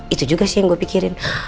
itu juga sih yang gue pikirin